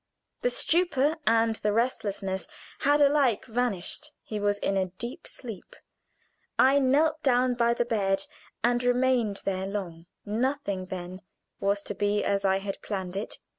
The stupor and the restlessness had alike vanished; he was in a deep sleep. I knelt down by the bedside and remained there long. Nothing, then, was to be as I had planned it.